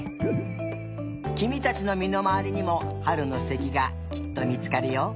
きみたちのみのまわりにもはるのすてきがきっとみつかるよ。